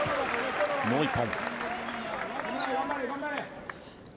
もう１本。